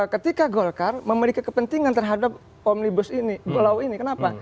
ketika golkar memiliki kepentingan terhadap omnibus ini pulau ini kenapa